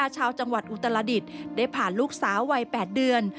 ชาวจังหวัดอุตรดิษฐ์ได้ผ่านลูกสาววัย๘เดือน